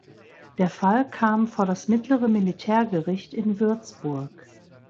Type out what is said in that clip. Der Fall kam vor das Mittlere Militärgericht in Würzburg.